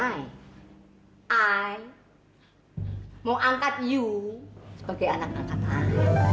ayah mau angkat kamu sebagai anak angkat ayah